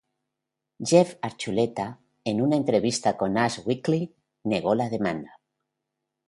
Jeff Archuleta, en una entrevista con "Us Weekly", negó la demanda.